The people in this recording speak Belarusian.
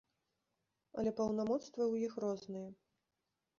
Але паўнамоцтвы ў іх розныя.